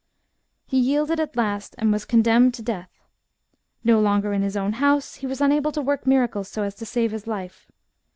He yielded at last, and was condemned to death. No longer in his own house, he was unable to work miracles so as to save his life.